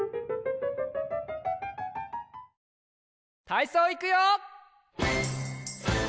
たいそういくよ！